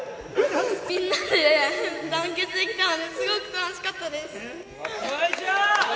みんなで団結できたので、すごく楽しかったです。